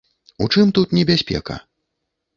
У чым тут небяспека?